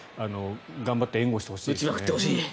頑張って援護してほしいですね。